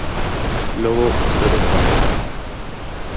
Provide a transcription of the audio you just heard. Logo, ¿que se pretende con esta norma?